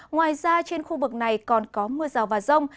ngoài ra trên khu vực này còn có mưa rào và rông